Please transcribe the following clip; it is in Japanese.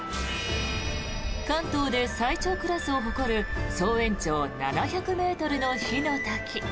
関東で最長クラスを誇る総延長７００ｍの火の滝。